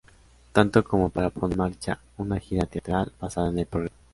Tanto como para poner en marcha una gira teatral basada en el programa.